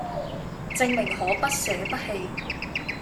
證明可不捨不棄